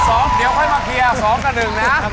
๑กับ๒เดี๋ยวค่อยมาเคลียร์๒กับ๑นะ